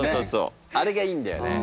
あれがいいんだよね。